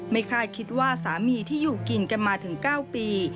คาดคิดว่าสามีที่อยู่กินกันมาถึง๙ปี